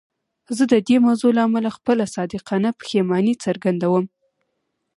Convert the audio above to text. زه د دې موضوع له امله خپله صادقانه پښیماني څرګندوم.